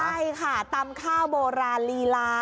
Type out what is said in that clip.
ใช่ค่ะตำข้าวโบราณลีลา